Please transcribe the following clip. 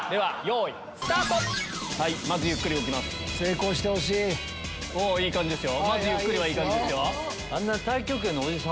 うまい感じですよ。